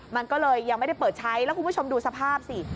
มันก็เลยยังไม่ได้เปิดใช้แล้วคุณผู้ชมดูสภาพสิ